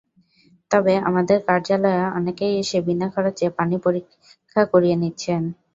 তবে আমাদের কার্যালয়ে অনেকেই এসে বিনা খরচে পানি পরীক্ষা করিয়ে নিচ্ছেন।